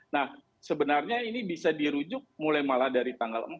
nah sebenarnya ini bisa dirujuk mulai malah dari tanggal empat